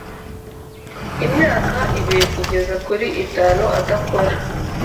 imyaka ibiri kugeza kuri itanu adakora